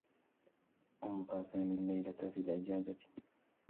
أمضى سامي اللّيلة في العيادة.